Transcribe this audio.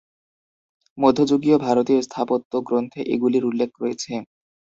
মধ্যযুগীয় ভারতীয় স্থাপত্য গ্রন্থে এগুলির উল্লেখ রয়েছে।